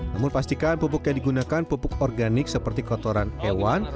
namun pastikan pupuk yang digunakan pupuk organik seperti kotoran hewan